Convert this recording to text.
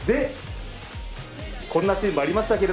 こんなシーンもありました。